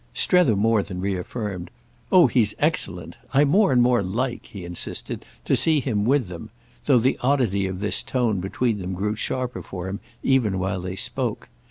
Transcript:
Strether more than reaffirmed—"Oh he's excellent. I more and more like," he insisted, "to see him with them;" though the oddity of this tone between them grew sharper for him even while they spoke.